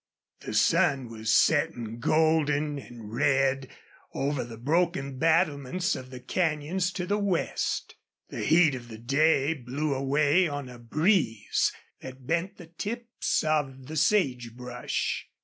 The sun was setting golden and red over the broken battlements of the canyons to the west. The heat of the day blew away on a breeze that bent the tips of the sage brush.